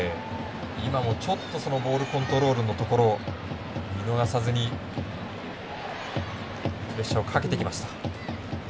今もボールコントロールのところを見逃さずにプレッシャーをかけてきました。